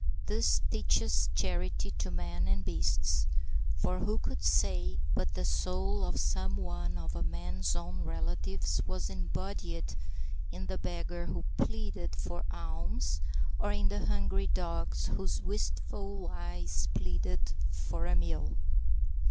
This teaches charity to men and beasts; for who could say but the soul of some one of a man's own relatives was embodied in the beggar who pleaded for alms, or in the hungry dogs whose wistful eyes pleaded for a meal?